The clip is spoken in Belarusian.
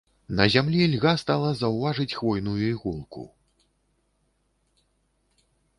На зямлі льга стала заўважыць хвойную іголку.